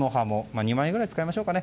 ２枚くらい使いましょうかね。